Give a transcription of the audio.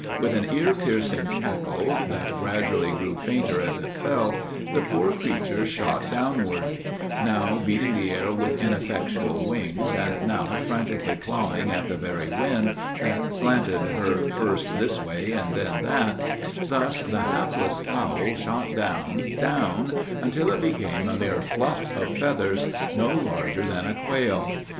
With an ear piercing cackle that gradually grew fainter as it fell, the poor creature shot downward; now beating the air with ineffectual wings, and now frantically clawing at the very wind, that slanted her first this way and then that; thus the hapless fowl shot down, down, until it became a mere fluff of feathers no larger than a quail.